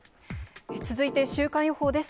続いて週間予報です。